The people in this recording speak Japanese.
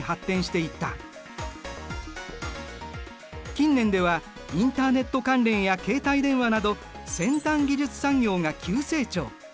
近年ではインターネット関連や携帯電話など先端技術産業が急成長。